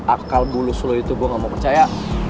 akal bulu sulu itu gue gak mau percaya